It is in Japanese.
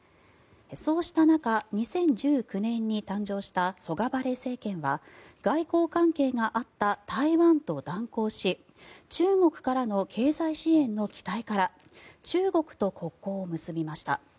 そうした中、２０１９年に誕生したソガバレ政権は外交関係があった台湾と断交し中国からの経済支援の期待から中国と国交を結びました。